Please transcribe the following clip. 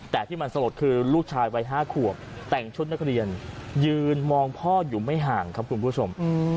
แต่ที่มันสลดคือลูกชายวัย๕ขวบแต่งชุดนักเรียนยืนมองพ่ออยู่ไม่ห่างครับคุณผู้ชม